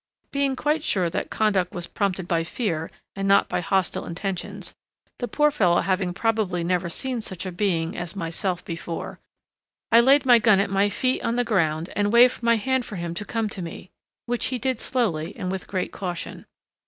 Being quite sure that conduct was prompted by fear and not by hostile intentions, the poor fellow having probably never seen such a being as myself before, I laid my gun at my feet on the ground and waved my hand for him to come to me, which he did slowly and with great caution.